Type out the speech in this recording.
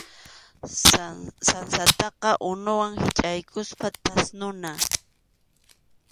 Sansataqa unuwan hichʼaykuspa thasnuna.